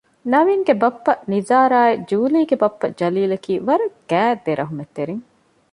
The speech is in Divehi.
ނަވީންގެ ބައްޕަ ނިޒާރާއި ޖޫލީގެ ބައްޕަ ޖަލީލަކީ ވަރަށް ގާތް ދެރަޙްމަތްތެރިން